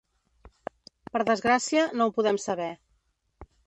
Per desgràcia, no ho podem saber.